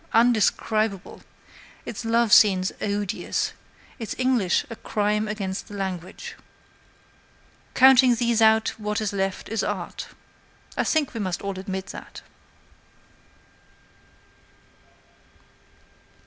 indescribable; its love scenes odious; its English a crime against the language. Counting these out, what is left is Art. I think we must all admit that.